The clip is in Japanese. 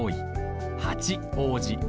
八王子